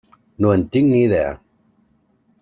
No en tinc ni idea.